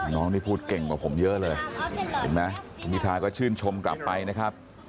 น้องนี้พูดเก่งกว่าผมเยอะเลยอุทิธาก็ชื่นชมกลับไปนะครับ